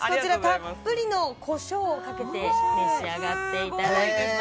たっぷりのコショウをかけて召し上がっていただきます。